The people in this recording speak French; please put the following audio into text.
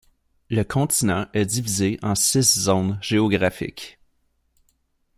Le continent est divisé en six zones géographiques.